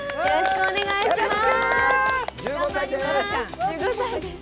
よろしくお願いします。